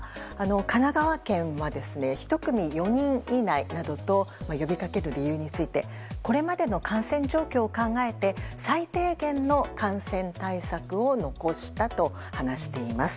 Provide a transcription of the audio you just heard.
神奈川県は１組４人以内などと呼びかける理由についてこれまでの感染状況を考えて最低限の感染対策を残したと話しています。